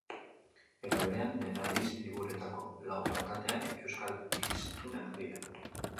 Era berean, lehen aldiz, hiriburuetako lau alkateak euskal hiztunak dira.